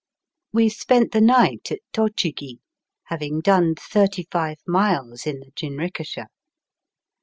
We spent the night at Tochigi, having done thirty five miles in the jinrikisha.